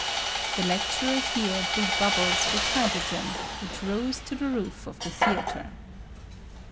[The lecturer here blew bubbles with hydrogen, which rose to the roof of the theatre.